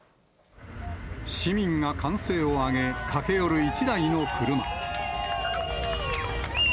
市民が歓声を上げ、駆け寄る１台の車。